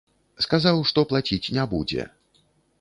Сказаў, што плаціць не будзе.